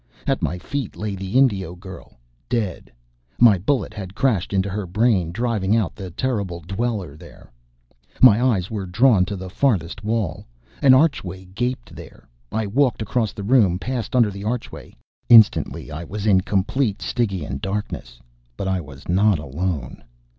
At my feet lay the Indio girl, dead. My bullet had crashed into her brain, driving out the terrible dweller there. My eyes were drawn to the farther wall. An archway gaped there. I walked across the room, passed under the archway. Instantly I was in complete, stygian darkness. But I was not alone!